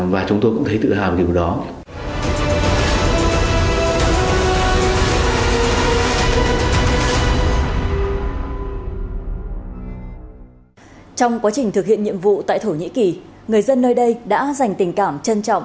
và chúng tôi cũng thấy tự hào về điều đó